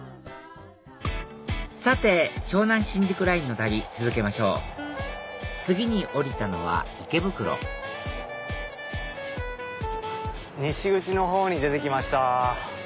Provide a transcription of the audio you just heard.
さて湘南新宿ラインの旅続けましょう次に降りたのは池袋西口のほうに出て来ました。